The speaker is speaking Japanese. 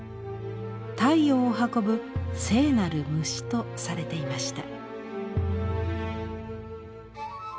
太陽を運ぶ聖なる虫とされていました。